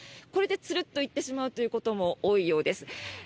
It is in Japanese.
これでツルッと行ってしまうということも多いようです。